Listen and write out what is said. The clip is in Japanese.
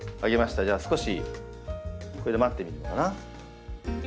じゃあ少しこれで待ってみるのかな。